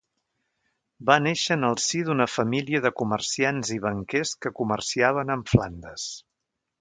Va néixer en el si d'una família de comerciants i banquers que comerciaven amb Flandes.